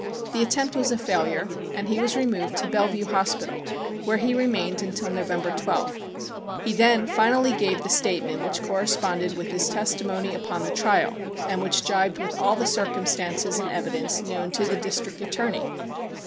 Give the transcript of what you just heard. The attempt was a failure, and he was removed to Bellevue Hospital, where he remained until November 12th. He then finally gave the statement which corresponded with his testimony upon the trial and which jibed with all the circumstances and evidence known to the District Attorney.